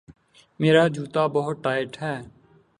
میرا جوتا بہت ٹائٹ ہے